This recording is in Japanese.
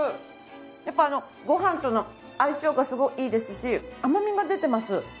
やっぱりご飯との相性がすごくいいですし甘みが出てます。